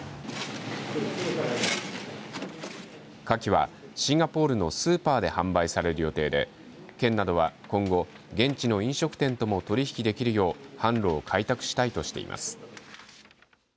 かきはシンガポールのスーパーで販売される予定で県などは今後現地の飲食店とも取り引きできるよう販路を開拓したいとしています。